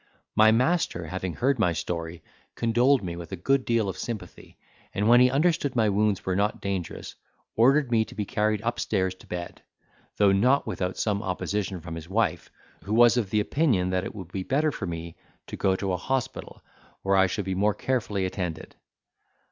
My master having heard my story, condoled me with a good deal of sympathy, and when he understood my wounds were not dangerous, ordered me to be carried upstairs to bed; though not without some opposition from his wife, who was of opinion that it would be better for me to go to an hospital, where I should be more carefully attended.